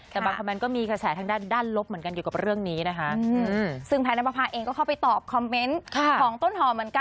แต่บางคอมเมนต์ก็มีกระแสทั้งด้านลบเหมือนกัน